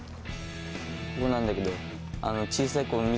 ここなんだけど。